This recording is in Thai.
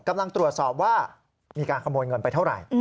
กำลังตรวจสอบว่ามีการขโมยเงินไปเท่าไหร่